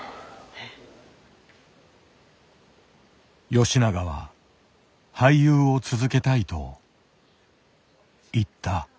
吉永は「俳優を続けたい」と言った。